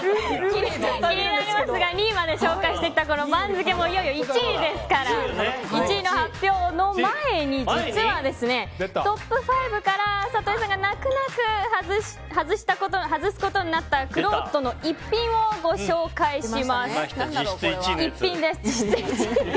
気になりますが２位まで紹介してきたこの番付もいよいよ１位ですから１位の発表の前に実は、トップ５から里井さんが泣く泣く外すことになったくろうとの逸品をご紹介します。